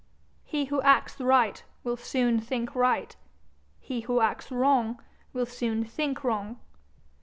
He who acts right will soon think right; he who acts wrong will soon think wrong.